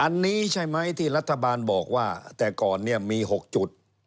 อันนี้ใช่มั้ยที่ฤธภัณฑ์บอกว่าแต่ก่อนเนี่ยมี๖จุด